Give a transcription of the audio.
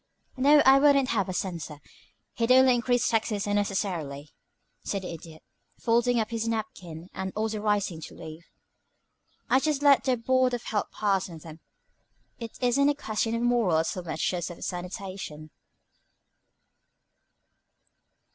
"No, I wouldn't have a censor; he'd only increase taxes unnecessarily," said the Idiot, folding up his napkin, and also rising to leave. "I'd just let the Board of Health pass on them; it isn't a question of morals so much as of sanitation."